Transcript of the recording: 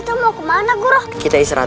sudah lumayan terbiasa ikhlas